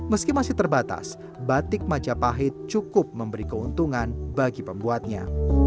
meski masih terbatas batik majapahit cukup memberi keuntungan bagi pembuatnya